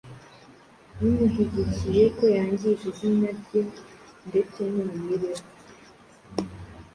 umuhyigikiye ko yangije izina rye ndete nimibereho